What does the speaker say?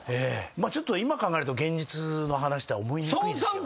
ちょっと今考えると現実の話とは思いにくいですよね。